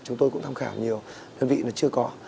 chúng tôi cũng tham khảo nhiều đơn vị là chưa có